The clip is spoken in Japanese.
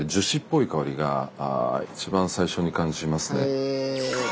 へえ。